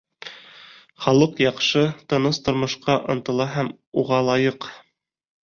Халыҡ яҡшы, тыныс тормошҡа ынтыла һәм уға лайыҡ.